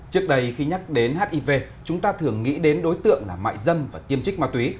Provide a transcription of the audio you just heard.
trước đây khi nhắc đến hiv chúng ta thường nghĩ đến đối tượng là mại dâm và tiêm trích ma túy